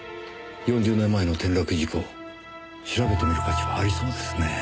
４０年前の転落事故調べてみる価値はありそうですねぇ。